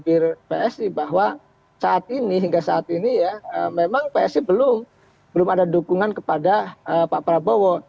dibesarkan oleh jokowi dibesarkan oleh psi bahwa saat ini hingga saat ini ya memang psi belum ada dukungan kepada pak prabowo